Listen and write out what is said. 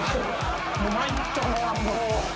参ったなもう。